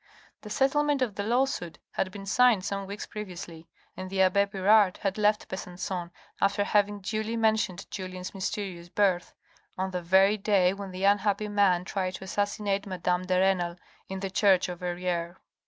The settlement of the lawsuit had been signed some weeks previously, and the abbe Pirard had left Besancon after having duly mentioned Julien's mysterious birth, on the very day when the unhappy man tried to assassinate madame de Renal in the church of Verrieres.